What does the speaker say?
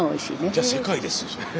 じゃ世界ですよそれ。